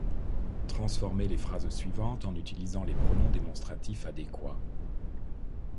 Transformez les phrases suivantes en utilisant les pronoms démonstratifs adéquats :